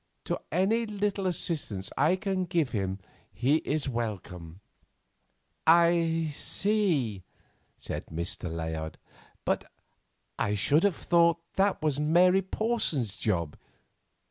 To any little assistance that I can give him he is welcome." "I see," said Mr. Layard; "but I should have thought that was Mary Porson's job.